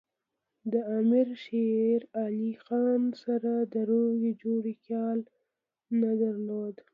د امیر شېر علي خان سره د روغې جوړې خیال نه درلود.